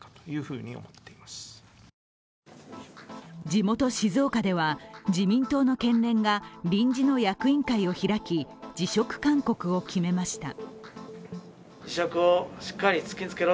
地元・静岡では、自民党の県連が臨時の役員会を開き辞職勧告を決めました。